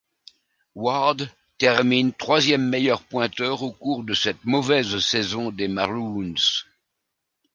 Ward termine troisième meilleur pointeur au cours de cette mauvaise saison des Maroons.